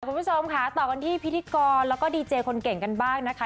คุณผู้ชมค่ะต่อกันที่พิธีกรแล้วก็ดีเจคนเก่งกันบ้างนะคะ